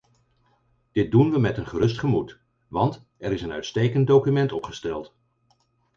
Dit doen we met een gerust gemoed, want er is een uitstekend document opgesteld.